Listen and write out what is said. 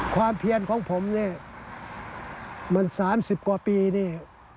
ความเพียรของผมนี่มัน๓๐กว่าปีนี่